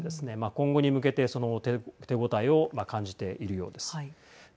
今後に向けて、その手応えを感じているようです。